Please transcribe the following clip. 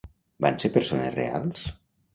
Van ser persones reals?